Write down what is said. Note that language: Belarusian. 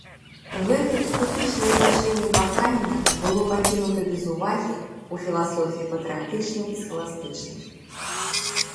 Гэта эстэтычнае значэнне кахання было пакінута без увагі ў філасофіі патрыятычнай і схаластычнай.